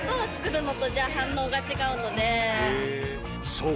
そう